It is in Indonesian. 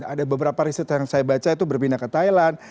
ada beberapa riset yang saya baca itu berpindah ke thailand